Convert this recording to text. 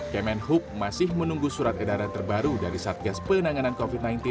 kemenhub masih menunggu surat edaran terbaru dari satgas penanganan covid sembilan belas